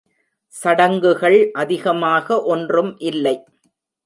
சடங்குகள் அதிகமாக ஒன்றும் இல்லை.